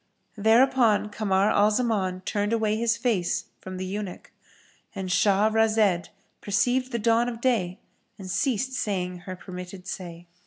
Thereupon Kamar al Zaman turned away his face from the eunuch,—And Shah razed perceived the dawn of day and ceased saying her permitted say.